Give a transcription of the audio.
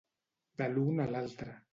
De l'un a l'altre.